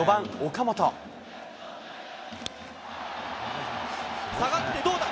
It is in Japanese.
さらに、下がって、どうだ。